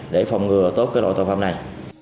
để phòng ngừa tốt cái loại tội phạm này